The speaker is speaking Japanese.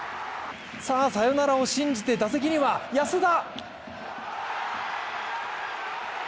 サヨナラを信じて打席には安田！